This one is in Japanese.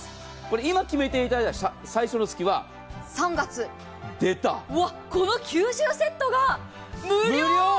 今決めていただいた最初の月はこの九州セットが無料。